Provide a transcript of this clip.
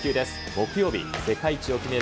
木曜日、世界一を決める